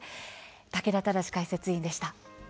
竹田忠解説委員でした。